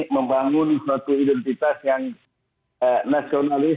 membangun suatu identitas yang nasionalis